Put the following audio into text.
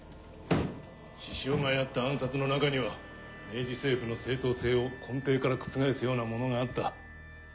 志々雄がやった暗殺の中には明治政府の正当性を根底から覆すようなものがあった。